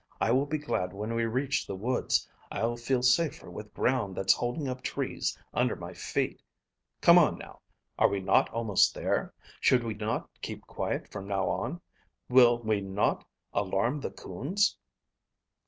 I will be glad when we reach the woods. I'll feel safer with ground that's holding up trees under my feet. Come on, now! Are we not almost there? Should we not keep quiet from now on? Will we not alarm the coons?"